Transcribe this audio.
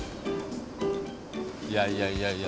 いやいやいやいや。